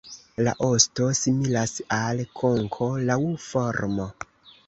La osto similas al konko laŭ formo.